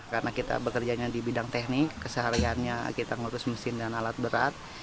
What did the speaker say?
karena kita bekerjanya di bidang teknik kesehariannya kita ngurus mesin dan alat berat